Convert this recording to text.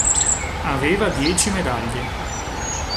Aveva dieci medaglie.